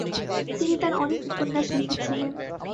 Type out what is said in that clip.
তিনি তার অনেক উপন্যাস লিখেছিলেন।